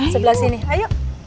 sebelah sini ayo